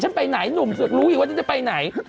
ไปไหนหนุ่มรู้อีกว่าฉันจะไปไหน